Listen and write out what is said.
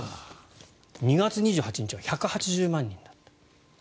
２月２８日は１８０万人だった。